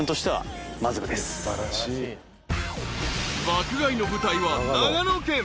［爆買いの舞台は長野県］